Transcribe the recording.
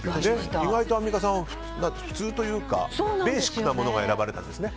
意外と、アンミカさん普通というかベーシックなものが選ばれたんですね。